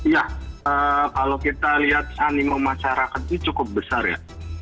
ya kalau kita lihat animo masyarakat itu cukup besar ya